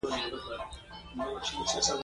منډه د زړښت نښې ورو کوي